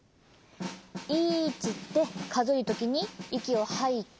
「いち」ってかぞえるときにいきをはいて。